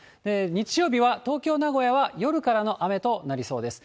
日曜日は東京、名古屋は夜からの雨となりそうです。